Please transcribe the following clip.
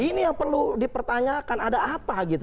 ini yang perlu dipertanyakan ada apa gitu